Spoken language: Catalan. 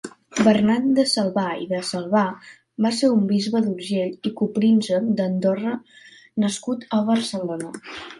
Bernat de Salbà i de Salbà va ser un bisbe d'Urgell i copríncep d'Andorra nascut a Barcelona.